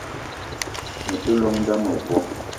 Me te llong n'da mevo.